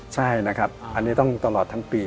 ใช่นะครับอันนี้ต้องตลอดทั้งปี